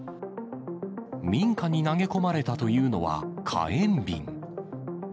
民家に投げ込まれたというのは火炎瓶。